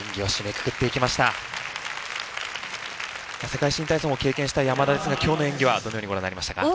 世界新体操も経験した山田ですが今日の演技はどのようにご覧になりましたか？